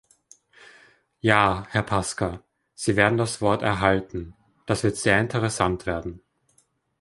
Ja, Herr Pasqua, Sie werden das Wort erhalten, das wird sehr interessant werden.